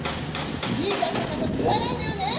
いいかげんなこと言わないでよね！